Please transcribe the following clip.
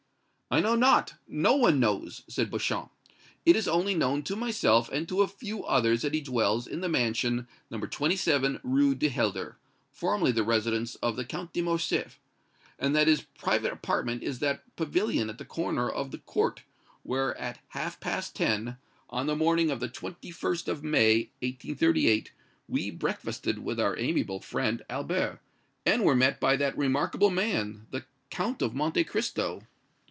"I know not no one knows," said Beauchamp. "It is only known to myself and to a few others that he dwells in the mansion No. 27 Rue du Helder, formerly the residence of the Count de Morcerf, and that his private apartment is that pavilion at the corner of the court, where at half past ten, on the morning of the 21st of May, 1838, we breakfasted with our amiable friend Albert, and were met by that remarkable man, the Count of Monte Cristo."